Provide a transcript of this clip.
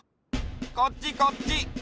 こっちこっち！